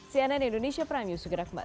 cnn indonesia prime news segera kembali